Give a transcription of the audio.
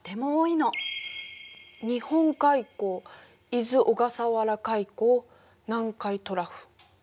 日本海溝伊豆・小笠原海溝南海トラフ。